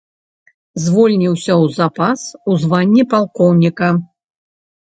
Звольніўся ў запас у званні палкоўніка.